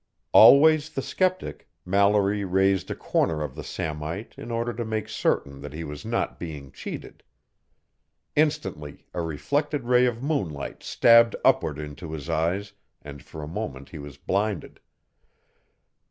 Always the skeptic, Mallory raised a corner of the samite in order to make certain that he was not being cheated. Instantly, a reflected ray of moonlight stabbed upward into his eyes, and for a moment he was blinded.